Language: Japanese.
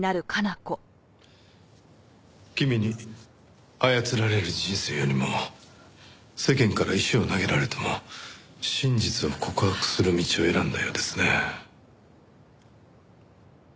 君に操られる人生よりも世間から石を投げられても真実を告白する道を選んだようですね。